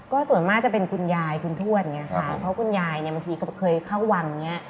ก็ส่วนมากจะเป็นคุณยายคุณทวนเขาคุณอย่างใหญ่ก็เคยเข้าวัง